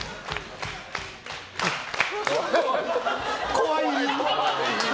怖い。